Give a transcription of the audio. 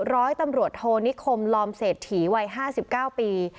ร้อยตำรวจโทนิคมลอมเศรษฐีวัย๕๙ปี